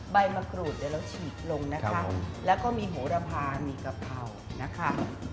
ใบมะกรูดเดี๋ยวเราฉีดลงนะคะแล้วก็มีโหระพามีกะเพรานะคะ